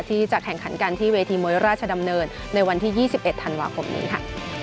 ที่จะแข่งขันกันที่เวทีมวยราชดำเนินในวันที่๒๑ธันวาคมนี้ค่ะ